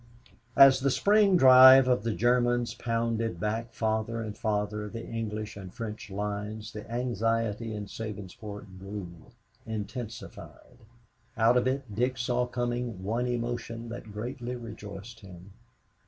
As the spring drive of the Germans pounded back farther and farther the English and French lines, the anxiety in Sabinsport grew, intensified. Out of it Dick saw coming one emotion that greatly rejoiced him.